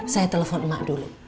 saya telepon emak dulu